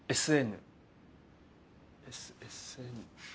ＳＳＮ。